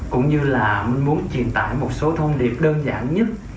cũng như là mình muốn truyền tải một số thông điệp đơn giản nhất